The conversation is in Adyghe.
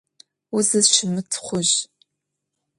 Vuzışımıtxhuj.